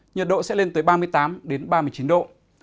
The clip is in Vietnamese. nhiệt độ sẽ lên tới ba mươi tám ba mươi chín độ